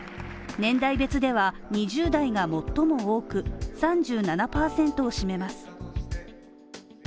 年代別では２０代が最も多く３７％を占めます。